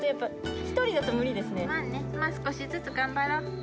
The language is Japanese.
まあ少しずつ頑張ろう。